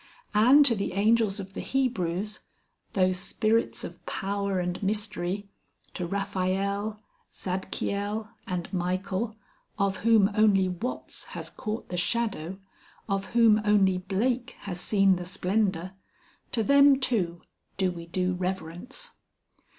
And to the angels of the Hebrews, those spirits of power and mystery, to Raphael, Zadkiel, and Michael, of whom only Watts has caught the shadow, of whom only Blake has seen the splendour, to them too, do we do reverence.